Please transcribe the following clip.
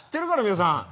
皆さん。